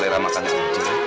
saya tak ingin keluar ayo